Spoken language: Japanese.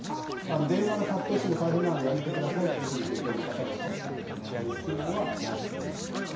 電話が殺到してもう大変なのでやめてくださいと漁協の方がおっしゃっていたので電話注文はなしということで。